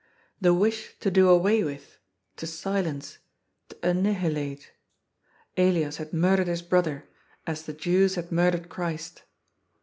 The wish to do away with, to silence, to annihilate. Elias had murdered his brother, as the Jews had murdered Christ.